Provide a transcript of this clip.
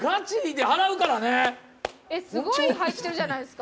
すごい入ってるじゃないですか。